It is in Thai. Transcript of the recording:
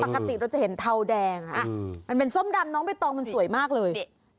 ปกติเราจะเห็นเทาแดงมันเป็นส้มดำน้องใบตองมันสวยมากเลย